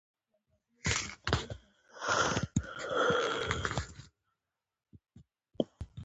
پوهه باید په ساده او روانه ژبه خپره شي.